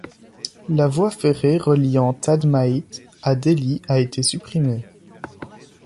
La voie ferrée reliant Tadmaït à Dellys a été supprimée.